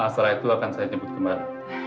setelah itu akan saya nyebut kembali